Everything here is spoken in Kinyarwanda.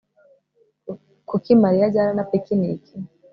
Kuki Mariya ajyana na picnic